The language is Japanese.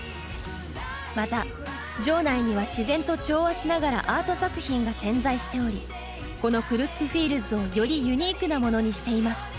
また場内には自然と調和しながらアート作品が点在しておりこのＫＵＲＫＫＵＦＩＥＬＤＳをよりユニークなものにしています。